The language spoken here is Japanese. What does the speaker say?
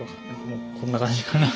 こんな感じかな。